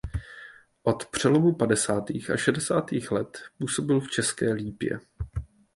Od přelomu padesátých a šedesátých let působil v České Lípě.